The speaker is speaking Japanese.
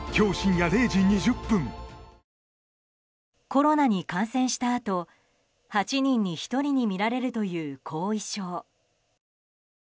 コロナに感染したあと８人に１人に見られるという後遺症。